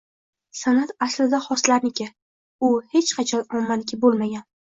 San’at aslida xoslarniki, u hech qachon ommaniki bo‘lmagan.